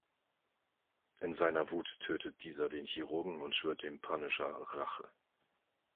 In seiner Wut tötet dieser den Chirurgen und schwört dem Punisher Rache.